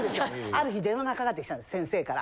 ある日電話がかかってきたんです先生から。